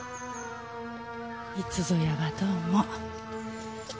いつぞやはどうも。